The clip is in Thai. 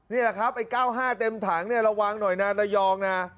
นี่แหละครับไอ้๙๕เต็มถังเนี่ยระวังหน่อยนะระยองนะ